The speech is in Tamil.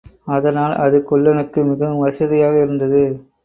அதனால் அது குள்ளனுக்கு மிகவும் வசதியாக இருந்தது.